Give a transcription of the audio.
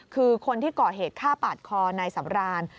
คือคนที่ก่อเหตุฆ่าปาดคอนายสำราน